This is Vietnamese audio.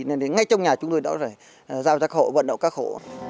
nên ngay trong nhà chúng tôi đó rồi giao ra khổ vận động các khổ